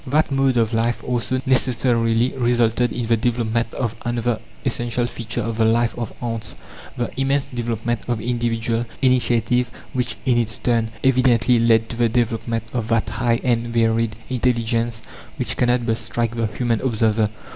That mode of life also necessarily resulted in the development of another essential feature of the life of ants: the immense development of individual initiative which, in its turn, evidently led to the development of that high and varied intelligence which cannot but strike the human observer.